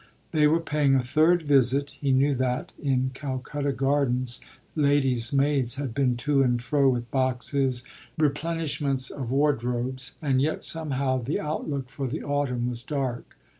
They were paying a third visit he knew that in Calcutta Gardens lady's maids had been to and fro with boxes, replenishments of wardrobes and yet somehow the outlook for the autumn was dark.